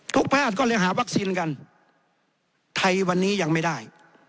แพทย์ก็เลยหาวัคซีนกันไทยวันนี้ยังไม่ได้